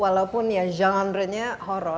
walaupun ya genre nya horror